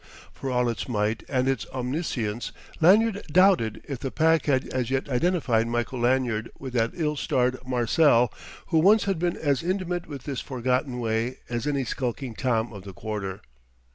For all its might and its omniscience, Lanyard doubted if the Pack had as yet identified Michael Lanyard with that ill starred Marcel who once had been as intimate with this forgotten way as any skulking tom of the quarter.